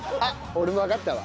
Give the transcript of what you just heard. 俺もわかったわ。